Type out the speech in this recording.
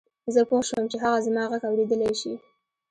زه پوه شوم چې هغه زما غږ اورېدلای شي.